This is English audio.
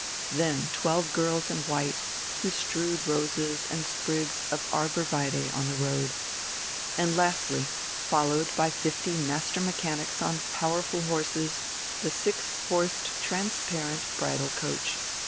Then twelve girls in white, who strewed roses and sprigs of arbor vitæ on the road. And lastly, followed by fifty master mechanics on powerful horses, the six horsed transparent bridal coach.